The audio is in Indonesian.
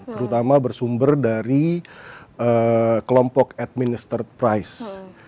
terutama bersumber dari kelompok administrad price